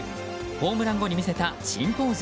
ホームラン後に見せた新ポーズ。